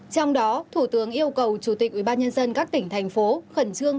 trong đó thủ tướng yêu cầu chủ tịch ubnd các tỉnh thành phố khẩn trương